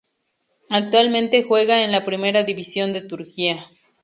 Actualmente juega en la primera división de Turquía.